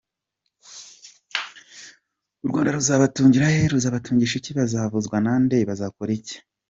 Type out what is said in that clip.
U Rwanda ruzabatuza he, ruzabatungisha iki, bazavuzwa na nde, bazakora iki …?